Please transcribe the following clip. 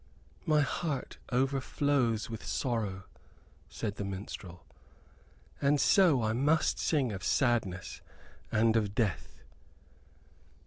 "My heart overflows with sorrow," said the minstrel, "and so I must sing of sadness and of death."